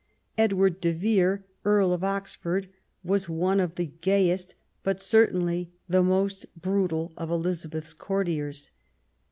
Edward de Vere, Earl of Oxford, was one of the gayest, but was certainly the most brutal of Elizabeth's courtiers.